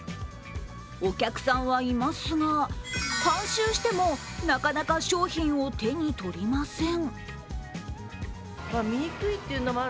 お客さんはいますが、半周してもなかなか商品を手に取りません。